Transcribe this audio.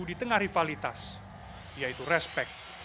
di tengah rivalitas yaitu respect